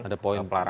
ada poin pelarangan